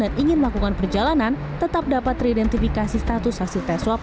dan ingin melakukan perjalanan tetap dapat teridentifikasi status hasil tes swab